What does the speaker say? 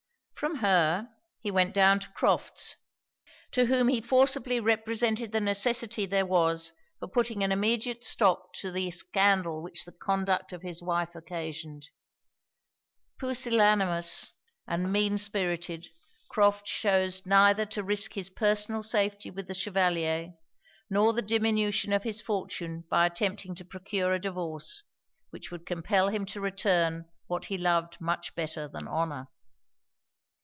From her, he went down to Crofts; to whom he forcibly represented the necessity there was for putting an immediate stop to the scandal which the conduct of his wife occasioned. Pusillanimous and mean spirited, Crofts chose neither to risk his personal safety with the Chevalier, nor the diminution of his fortune by attempting to procure a divorce, which would compel him to return what he loved much better than honour.